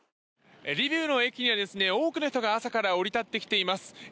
リビウの駅には多くの人が朝から降り立っています。